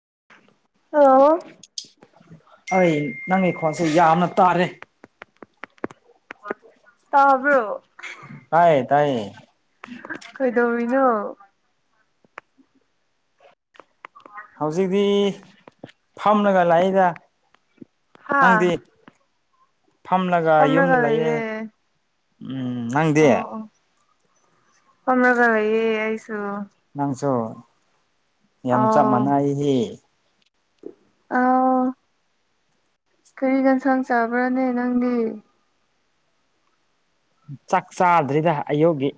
ꯑ ꯑꯩ ꯅꯪꯒꯤ ꯈꯣꯟꯁꯦ ꯌꯥꯝꯅ ꯇꯥꯔꯦ ꯇꯕ꯭ꯔꯣ ꯇꯥꯏ ꯇꯥꯏꯌꯦ ꯅ ꯍꯧꯖꯤꯛꯇꯤ ꯐꯝꯅꯒ ꯂꯥꯛꯏꯗ ꯍꯥꯥ ꯅꯪꯗꯤ ꯐꯝꯂꯒ ꯌꯨꯝꯗ ꯂꯑꯦ ꯂꯩꯌꯦ ꯎꯝ ꯅꯪꯗꯦ ꯄꯔꯒꯌꯦꯁ ꯅꯪꯁꯨ ꯌꯥꯝꯆꯥ ꯃꯅꯥꯑ ꯍ ꯑ ꯀꯔꯤ ꯌꯦꯟꯁꯥꯡ ꯆꯥꯕ꯭ꯔꯥꯅꯦ ꯅꯪꯗꯤ ꯆꯥꯛ ꯆꯥꯗ꯭ꯔꯤꯗ ꯑꯌꯨꯛꯒꯤ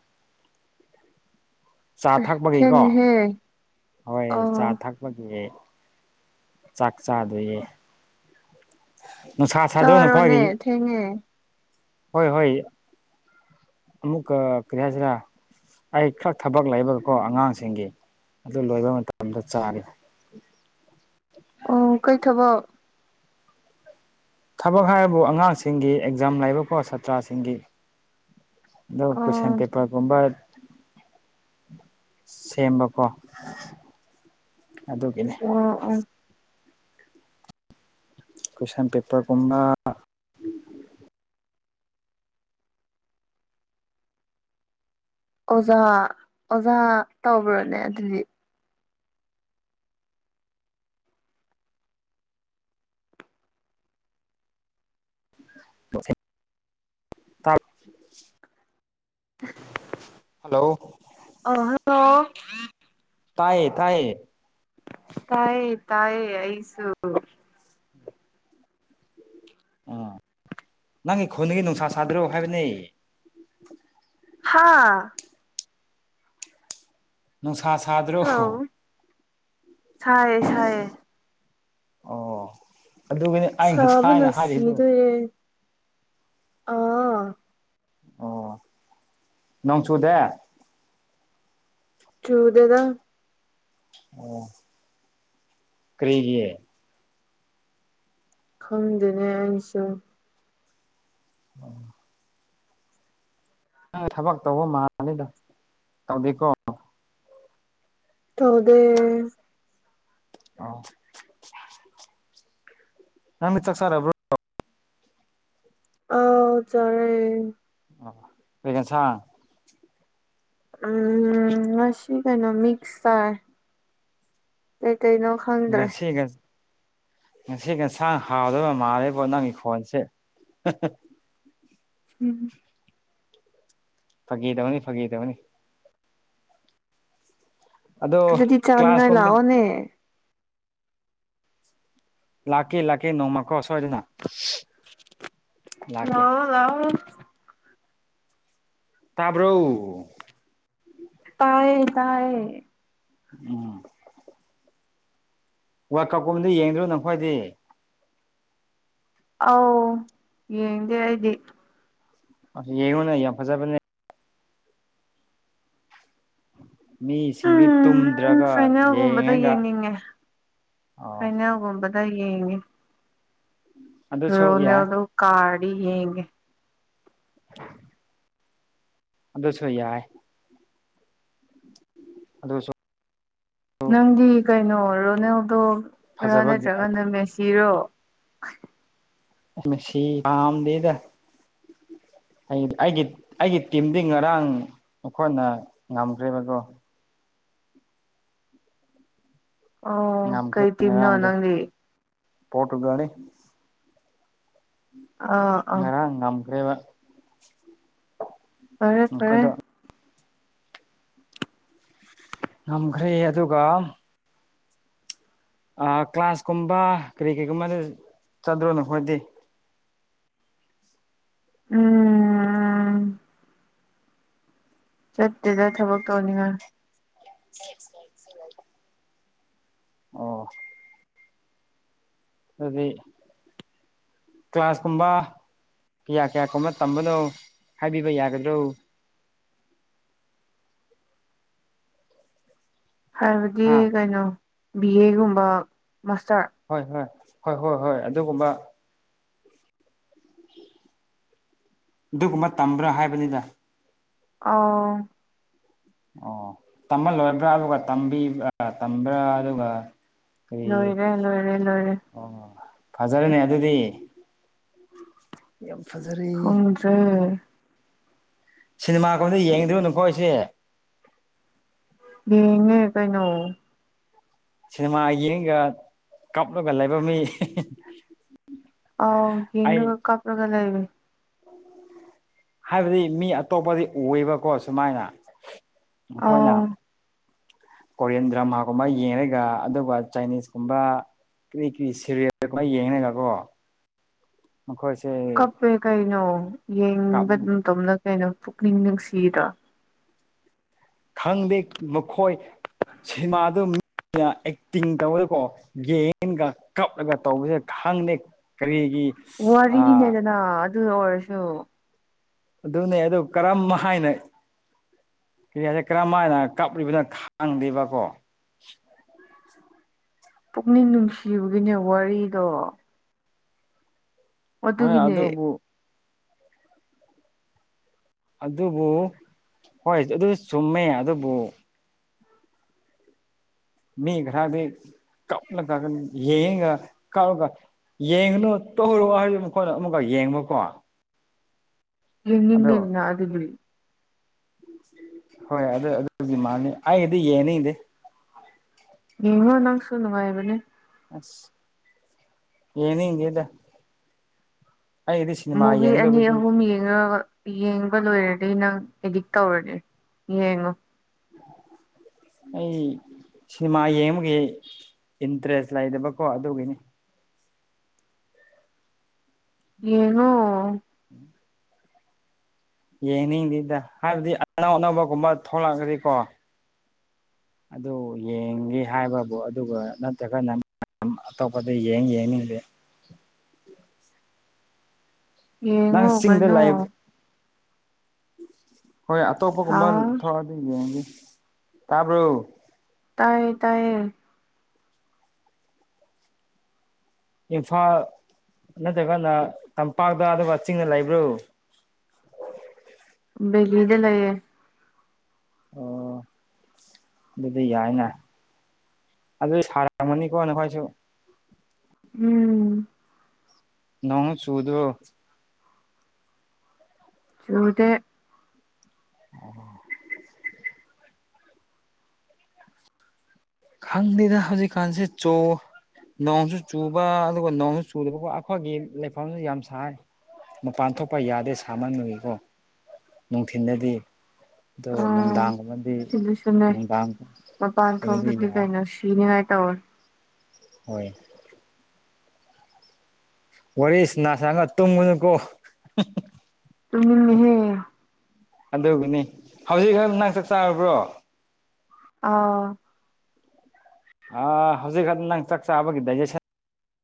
ꯆꯥ ꯊꯛꯄꯒꯤꯀꯣ ꯊꯦꯡꯉꯦꯍꯦ ꯍꯣꯏ ꯆꯥ ꯑꯥꯎ ꯊꯛꯄꯒꯤ ꯆꯥꯛ ꯆꯥꯗꯣꯏꯌꯦ ꯅꯨꯡꯁꯥ ꯁꯥꯗꯧꯅ ꯆꯥꯔꯣꯅꯦ ꯈ꯭ꯋꯥꯒꯤ ꯊꯦꯡꯉꯦ ꯍꯣꯏ ꯍꯣꯏ ꯑꯃꯨꯛ ꯀꯔꯤꯌꯥꯁꯤꯔ ꯑꯩ ꯈꯔ ꯊꯕꯛ ꯂꯩꯕꯒꯀꯣ ꯑꯉꯥꯡꯁꯤꯡꯒꯤ ꯑꯗꯨ ꯂꯣꯏꯕ ꯃꯇꯝꯗ ꯆꯥꯔꯤ ꯑꯣ ꯀꯩ ꯊꯕ ꯊꯕꯛ ꯍꯥꯏꯕꯨ ꯑꯉꯥꯡꯁꯤꯡꯒꯤ ꯑꯦꯛꯖꯥꯝ ꯂꯥꯏꯕꯛ ꯐꯣ ꯁꯥꯇ꯭ꯔꯁꯤꯡꯒꯤ ꯑꯣ ꯀꯁꯟ ꯄꯦꯄꯔꯒꯨꯝꯕ ꯁꯦꯝꯕꯀꯣ ꯑꯗꯨꯒꯤꯅꯦ ꯑꯣ ꯀ꯭ꯋꯁꯟ ꯄꯦꯄꯔꯒꯨꯝꯕ ꯑꯣꯖꯥ ꯑꯣꯖꯥ ꯇꯧꯕ꯭ꯔꯣꯅꯦ ꯑꯗꯨꯗꯤ ꯇꯞ [unintelligible] ꯍꯜꯂꯣ ꯑ ꯍꯜꯂꯣ ꯇꯥꯏꯌꯦ ꯇꯥꯏꯌꯦ ꯇꯌꯦ ꯇꯥꯌꯦꯌꯦ ꯑꯩꯁꯨ ꯑꯥ ꯅꯪꯒꯤ ꯈꯨꯣꯟꯗꯒꯤ ꯅꯨꯡꯁꯥ ꯁꯥꯗ꯭ꯔꯣ ꯍꯥꯏꯕꯅꯦ ꯍꯥꯥ ꯅꯨꯡꯁꯥ ꯁꯥꯗ꯭ꯔꯣ ꯍꯜꯂꯣ ꯁꯥꯏꯌꯦ ꯁꯥꯏꯌꯦ ꯑꯣ ꯑꯗꯨꯒꯤꯅꯤ ꯑꯩ ꯁꯥꯕ ꯉꯁꯥꯏꯅ ꯍꯥꯏꯔꯤꯗꯣ ꯅꯁꯤꯗꯦ ꯑꯥ ꯑꯣ ꯅꯪꯁꯨꯣ ꯗꯦ ꯆꯨꯗꯦꯗ ꯑꯣ ꯀꯔꯤꯒꯤꯦ ꯈꯪꯗꯦꯅꯦ ꯑꯩꯁꯨ ꯎꯝ ꯊꯕꯛ ꯇꯧꯕ ꯃꯥꯜꯅꯤꯗ ꯇꯧꯗꯦꯀꯣ ꯇꯗꯦ ꯑ ꯅꯪꯅ ꯆꯥꯛ ꯆꯥꯔꯕ꯭ꯔꯣ ꯑ ꯆꯔꯦ ꯑꯣ ꯂꯩꯒꯁ ꯎꯝ ꯃꯁꯤ ꯀꯥꯏꯅ ꯃꯤꯛꯁ ꯇꯥꯏ ꯀꯩꯅꯣ ꯈꯪꯗ꯭ꯔꯦ ꯉꯁꯤ ꯉꯁꯤ ꯉꯁꯥꯡ ꯍꯥꯎꯗꯣꯏꯕ ꯃꯥꯜꯂꯦꯕꯣ ꯅꯪꯒꯤ ꯈꯣꯟꯁꯦ ꯎꯝ ꯐꯀꯤ ꯇ ꯑꯃꯅꯤꯅꯤ ꯐꯀꯤꯔ ꯑꯃꯅꯤꯅꯤ ꯑꯗꯣ ꯑꯗꯨꯗꯤ ꯆꯥꯅꯤꯡꯉ ꯀ꯭ꯂꯥꯁꯀꯨꯝꯕ ꯂꯥꯑꯣꯅꯦ ꯂꯥꯛꯀꯤꯦ ꯂꯀꯀꯤ ꯅꯣꯡꯧꯃꯀꯣ ꯑꯣ ꯑꯗꯨꯗꯅꯥ ꯂ ꯂꯑꯣ ꯇꯥꯕ꯭ꯔꯣ ꯇꯌꯦ ꯇꯥꯌꯦ ꯎꯝ ꯋꯥ ꯀꯞꯀꯨꯝꯕꯗ ꯌꯦꯡꯗ꯭ꯔꯣ ꯅꯪꯈꯣꯏꯗꯤ ꯑꯥꯎ ꯌꯦꯡꯗꯦ ꯍꯥꯏꯗꯤ ꯌꯦꯡꯉꯨꯅ ꯌꯥꯝ ꯐꯖꯕꯅꯦ ꯃꯤꯁꯤꯡꯗꯤ ꯎꯝ ꯇꯨꯝꯗ꯭ꯔꯒ ꯌꯦꯡꯉꯒ ꯑꯣ ꯍꯥꯏꯩꯅꯧꯒꯨꯝꯕꯗ ꯌꯦꯡꯉꯦ ꯑꯗꯨꯁꯨ ꯅꯦ ꯌꯥꯏ ꯑꯣꯗꯣ ꯀꯥ ꯌꯦꯌꯦꯒꯦ ꯑꯗꯨꯁꯨ ꯌꯥꯏ ꯑꯗꯨꯗ ꯁ ꯅꯪꯗꯤ ꯀꯩꯅꯣ ꯔꯣꯅꯦꯜꯗꯣꯔꯥ ꯐꯖꯕꯒꯤ ꯅꯠꯇ꯭ꯔꯒꯅ ꯃꯦꯁꯤꯔꯣ ꯃꯁꯤ ꯀꯝꯗꯗ [unintelligible] ꯑꯩ ꯑꯩꯒꯤ ꯑꯩꯒꯤ ꯇꯤꯝꯗꯤ ꯉꯔꯥꯡ ꯑꯩꯈꯣꯏꯅ ꯉꯝꯈ꯭ꯔꯦꯕꯗꯣ ꯑꯣ ꯀꯔꯤ ꯇꯤꯝꯅꯣ ꯅꯪꯗꯤ ꯄꯣꯇꯨꯒꯥꯅꯤ ꯑꯥ ꯑꯥ ꯉꯔ ꯉꯝꯕ꯭ꯔꯦꯕ ꯐꯔꯦ ꯐꯔꯦ ꯑꯩꯈꯣꯏꯗ ꯉꯝꯈ꯭ꯔꯦ ꯑꯗꯨꯒ ꯑ ꯀ꯭ꯂꯥꯁꯀꯨꯝꯕ ꯀꯔꯤ ꯀꯔꯤꯒꯨꯝꯕꯗ ꯆꯥꯠꯇ꯭ꯔꯣꯅꯣꯈꯣꯏꯗꯤ ꯎꯝ ꯎꯝ ꯆꯠꯇꯦꯗ ꯊꯕꯛ ꯇꯧꯅꯤꯡꯉꯥꯏ ꯑ ꯑꯗꯨꯗꯤ ꯀ꯭ꯂꯥꯁꯀꯨꯝꯕ ꯀꯌꯥ ꯀꯌꯥ ꯀꯔꯅ ꯇꯝꯕꯅꯣ ꯍꯥꯏꯕꯤꯕ ꯌꯥꯒꯗ꯭ꯔꯣ ꯍꯥꯏꯕꯗꯤ ꯍꯥ ꯀꯩꯅꯣ ꯕꯤ ꯑꯦꯒꯨꯝꯕ ꯃꯥꯁꯇꯔ ꯍꯣꯏ ꯍꯣꯏ ꯍꯣꯏ ꯍꯣꯏ ꯍꯣꯏ ꯑꯗꯨꯒꯨꯝꯕ ꯑꯗꯨꯒꯨꯝꯕ ꯇꯝꯕ꯭ꯔꯥ ꯍꯥꯏꯕꯅꯤꯗ ꯑ ꯑꯣ ꯇꯝꯍꯜꯂꯣꯏꯕ꯭ꯔꯥ ꯑꯗꯨꯒꯕꯤꯕ꯭ꯔꯥ ꯇꯝꯕ꯭ꯔꯥ ꯑꯗꯨꯒ ꯀꯔꯤ ꯂꯣꯏꯔꯦ ꯂꯣꯏꯔꯦ ꯂꯣꯏꯔꯦ ꯑꯣ ꯐꯖꯔꯅꯦ ꯑꯗꯨꯗꯤ ꯎꯝ ꯍꯦ ꯁꯤꯅꯦꯃꯥ ꯀꯣꯟꯗ ꯌꯦꯡꯗꯣꯏꯣ ꯅꯈꯣ ꯑꯩꯁꯦ ꯌꯦꯉꯦ ꯀꯩꯅꯩꯅꯣ ꯁꯤꯅꯦꯃꯥ ꯌꯦꯡꯒ ꯀꯥꯞꯂꯒ ꯂꯩꯕꯝ ꯃꯤ ꯑ ꯑꯩ ꯌꯦꯒ ꯀꯥꯄ꯭ꯂꯒꯂ ꯏꯦ ꯍꯥꯏꯕꯗꯤ ꯃꯤ ꯑꯇꯣꯞꯄꯗꯤ ꯎꯕꯀꯣ ꯁꯨꯃꯥꯏꯅ ꯑꯩꯈꯣꯏꯅ ꯑꯥꯎ ꯀꯣꯔꯤꯌꯥꯟ ꯗ꯭ꯔꯃꯥꯒꯨꯝꯕ ꯌꯦꯡꯉꯒ ꯑꯗꯨꯒ ꯆꯥꯏꯅꯤꯁꯀꯨꯝꯕ ꯀꯔꯤ ꯀꯔꯤ ꯁꯦꯔꯤꯜ ꯈ ꯌꯦꯡꯉꯒꯀꯣ ꯃꯈꯣꯏꯁꯦ ꯀꯞꯄꯦ ꯀꯩꯅꯣ ꯌꯦꯡꯅꯤꯡꯕꯇꯣꯝꯅ ꯀꯩꯅꯣ ꯄꯨꯛꯅꯤꯡ ꯅꯨꯡꯁꯤꯔꯣ ꯈꯪꯗꯦ ꯃꯈꯣꯏ ꯁꯤꯃꯥꯗꯨ ꯑꯩꯅ ꯑꯦꯛꯇꯤꯡ ꯇꯧꯕꯗꯀꯣ ꯒꯦꯟꯒ ꯀꯞꯂꯒ ꯇꯧꯕꯁꯦ ꯈꯪꯗꯦ ꯀꯔꯤ ꯋꯥꯔꯤꯅꯦꯗꯅ ꯑꯗꯨꯗ ꯑꯣꯏꯔꯁꯨ ꯑꯗꯨꯅꯦ ꯑꯗꯨ ꯀꯔꯝ ꯍꯥꯏꯅ ꯀꯔꯤꯌꯥꯁꯦ ꯀꯔꯝꯥꯏꯅ ꯀꯥꯞꯂꯤꯕꯅꯣ ꯈꯥꯡꯗꯦꯕꯀꯣ [unintelligible] ꯄꯨꯛꯅꯤꯡ ꯅꯨꯡꯁꯤꯕꯒꯤꯅꯦ ꯋꯥꯔꯤꯗꯣ ꯍꯣꯏ ꯑꯗꯨꯒꯤꯅꯦ ꯑꯗꯨꯗꯕꯨ ꯑꯗꯨꯕꯨ ꯍꯣꯏ ꯑꯗꯨ ꯆꯨꯝꯃꯦ ꯑꯗꯨꯕꯨ ꯃꯤ ꯈꯔꯗꯤ ꯀꯥꯎ ꯀꯒ ꯌꯦꯌꯦ ꯀꯥꯎꯒ ꯌꯦꯡꯨꯅꯨ ꯇꯧꯔꯣ ꯍꯥꯏꯔ ꯃꯈꯣꯏꯅ ꯑꯃꯨꯛꯀ ꯌꯦꯡꯕꯨꯀꯣ ꯌꯦꯒꯅ ꯑꯗꯨ ꯍꯣꯏ ꯑꯗꯨ ꯑꯗꯨꯒꯤ ꯃꯥꯅꯤ ꯑꯩꯒꯤꯗꯤ ꯌꯦꯡꯅꯤꯗꯤ ꯌꯦꯉ ꯅꯪꯁꯨꯨꯅꯚꯥꯏꯕꯅꯦ ꯌꯦꯅꯤꯡꯗꯦꯗ ꯃꯨꯚꯤ ꯑꯅꯤ ꯑꯍꯨꯝ ꯌꯦꯡꯉꯒ ꯌꯦꯡꯕ ꯂꯣꯏꯔꯦ ꯗꯩ ꯅꯪ ꯑꯦꯗꯤꯛ ꯇꯧꯔꯅꯤ ꯌꯦꯡꯉꯣ ꯑꯩ ꯁꯤꯅꯤꯃꯥ ꯌꯦꯡꯕꯒꯤ ꯏꯟꯇꯔꯦꯁ ꯂꯩꯗꯕꯀꯣ ꯑꯗꯨꯒꯤꯅꯤ ꯌꯦꯡꯉꯣ ꯌꯦꯡꯅꯤꯡꯗꯦꯗ ꯍꯥꯏꯕꯗꯤ ꯑꯅꯧ ꯑꯅꯧꯕꯒꯨꯝꯕ ꯊꯣꯛꯂꯛꯑꯗꯤꯀꯣ ꯑꯗꯨ ꯌꯦꯡꯒꯦ ꯍꯥꯏꯕꯕꯨ ꯑꯗꯨꯒ ꯅꯠꯇ꯭ꯔꯒꯅ ꯑꯇꯣꯞꯄꯗ ꯌꯦꯡ ꯌꯦꯡꯅꯤꯡꯗꯦ [unintelligible] ꯅꯪ ꯌꯦꯡꯉꯣ ꯆꯤꯡꯗ ꯀꯩꯅꯣ ꯂꯩ ꯍꯣꯏ ꯑꯇꯣꯞꯄꯒꯨꯝꯕ ꯍꯥꯎ ꯊꯣꯛꯣꯔꯛꯑꯗꯤ ꯌꯦꯡꯒ ꯇꯥꯕ꯭ꯔꯣ ꯇꯥꯏꯌꯦ ꯇꯥꯏꯌꯦ ꯏꯝꯐꯥꯜ ꯅꯠꯇ꯭ꯔꯒꯅ ꯇꯝꯄꯥꯛꯇ ꯑꯗꯨꯒ ꯆꯤꯡꯅ ꯂꯩꯕ꯭ꯔꯨ ꯕꯒꯗ ꯂꯩꯌꯦ ꯑꯣ ꯑꯗꯨꯗꯤ ꯌꯥꯏꯅꯦ ꯑꯗꯨꯗ ꯁꯔꯃꯅꯤ ꯀꯣꯟꯅꯈꯥꯏꯁꯨ ꯎꯝ ꯅꯣꯠ ꯆꯨꯗꯣ ꯆꯨꯗꯦ ꯑꯣ ꯈꯪꯗꯦꯗ ꯍꯧꯖꯤꯛꯀꯥꯟꯁꯦ ꯆꯣ ꯅꯣꯡꯁꯨ ꯆꯨꯕ ꯑꯗꯨꯒ ꯅꯣꯡꯁꯨ ꯆꯨꯗꯕꯀꯣ ꯑꯩꯈꯣꯏꯒꯤ ꯂꯩꯐꯝꯁꯦ ꯌꯥꯝ ꯁꯥꯏ ꯃꯄꯥꯟ ꯊꯣꯛ ꯗꯣ ꯑꯥ ꯅꯨꯡꯗꯥꯡꯒꯨꯝꯕꯗꯤ ꯁꯤꯗꯁꯨꯅꯦ ꯅꯨꯡꯗꯥꯡ ꯃꯄꯥꯟ ꯊꯣꯛꯇꯗꯤ ꯀꯩꯅꯣ ꯁꯤꯅꯤꯉꯥꯏ ꯇꯧꯋꯦ ꯍꯣꯏ ꯋꯥꯔꯤꯁ ꯅꯁꯒ ꯇꯨꯝꯒꯨꯅꯨ ꯀꯣ ꯇꯨꯝꯅꯤꯡꯉꯦꯍꯦ ꯑꯗꯨꯕꯨꯅꯤ ꯍꯧꯖꯤꯛ ꯈ ꯅꯪ ꯆꯥꯛ ꯆꯥꯔꯕ꯭ꯔꯣ ꯑꯥ ꯑ ꯍꯧꯖꯤꯛ ꯍ ꯅꯪ ꯆꯥꯛꯆꯥꯥꯕꯒꯤ ꯗꯥꯏꯖꯦꯁꯟ